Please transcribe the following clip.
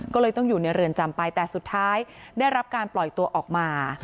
ก็เลยต้องอยู่ในเรือนจำไปแต่สุดท้ายได้รับการปล่อยตัวออกมา